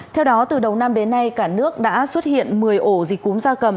theo đó từ đầu năm đến nay cả nước đã xuất hiện một mươi ổ dịch cúm da cầm